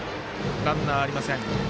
ランナーありません。